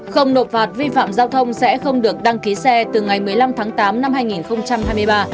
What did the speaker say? không nộp phạt vi phạm giao thông sẽ không được đăng ký xe từ ngày một mươi năm tháng tám năm hai nghìn hai mươi ba